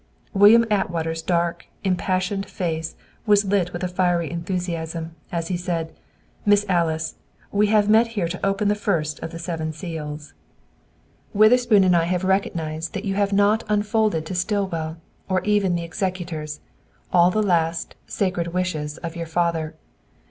William Atwater's dark, impassioned face was lit with a fiery enthusiasm, as he said, "Miss Alice, we have met here to open the first of the seven seals. "Witherspoon and I have recognized that you have not unfolded to Stillwell, or even the executors, all the last, sacred wishes of your father.